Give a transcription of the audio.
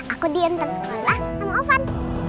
aku diantar sekolah sama ovan